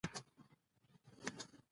ولې ختیځې اروپا متحول سیاسي بنسټونه لرل.